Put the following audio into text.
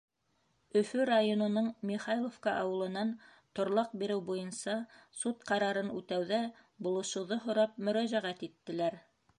Өфө районының Михайловка ауылынан торлаҡ биреү буйынса суд ҡарарын үтәүҙә булышыуҙы һорап мөрәжәғәт иттеләр.